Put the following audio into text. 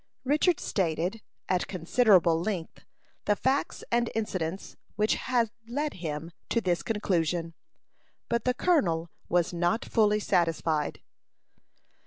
Richard stated, at considerable length, the facts and incidents which had led him to this conclusion: but the colonel was not fully satisfied.